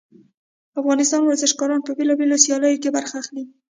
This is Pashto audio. افغان ورزشګران په بیلابیلو سیالیو کې برخه اخلي